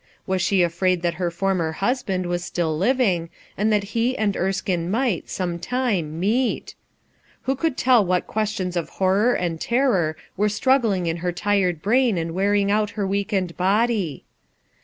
Was she afraid that her f husband was still living, and that he Erskine might, sometime, meet? Wk„ tell what questions of honor and terror » struggling in her tired brain and wearing 0ut her weakened body